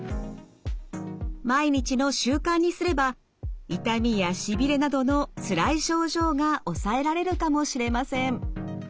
毎日の習慣にすれば痛みやしびれなどのつらい症状が抑えられるかもしれません。